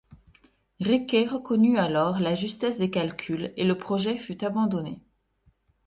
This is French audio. Riquet reconnut alors la justesse des calculs et le projet fut abandonné.